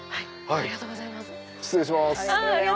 ありがとうございます。